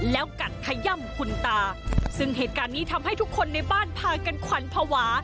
แล้วกัดขย่ำคุณตาซึ่งเหตุการณ์นี้ทำให้ทุกคนในบ้านพากันขวัญภาวะ